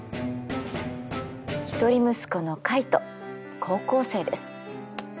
一人息子のカイト高校生です。